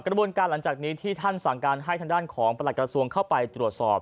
กระบวนการหลังจากนี้ที่ท่านสั่งการให้ทางด้านของประหลักกระทรวงเข้าไปตรวจสอบ